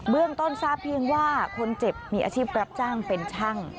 เรื่องต้นทราบเพียงว่าคนเจ็บมีอาชีพรับจ้างเป็นช่าง